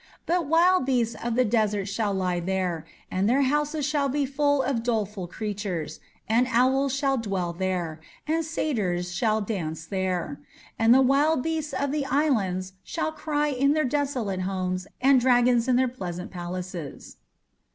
But wild beasts of the desert shall lie there; and their houses shall be full of doleful creatures; and owls shall dwell there, and satyrs shall dance there. And the wild beasts of the islands shall cry in their desolate houses and dragons in their pleasant palaces."